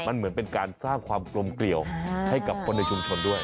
มันเหมือนเป็นการสร้างความกลมเกลี่ยวให้กับคนในชุมชนด้วย